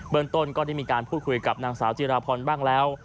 ต้นก็ได้มีการพูดคุยกับนางสาวจิราพรบ้างแล้ว